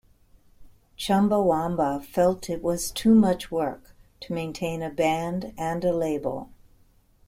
Chumbawamba felt it was too much work to maintain a band and a label.